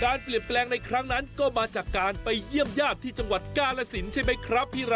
เปลี่ยนแปลงในครั้งนั้นก็มาจากการไปเยี่ยมญาติที่จังหวัดกาลสินใช่ไหมครับพี่ระ